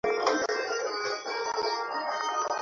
অই তো সে!